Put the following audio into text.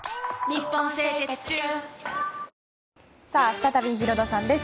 再びヒロドさんです。